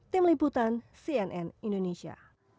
tim liputan cnn indonesia